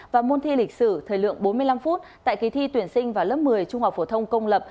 và môn thi lịch sử thời lượng bốn mươi năm phút tại kỳ thi tuyển sinh vào lớp một mươi trung học phổ thông công lập